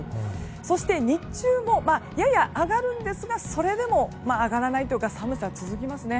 そして、日中もやや上がるんですがそれでも上がらないというか寒さは続きますね。